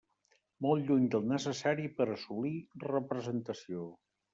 Molt lluny del necessari per a assolir representació.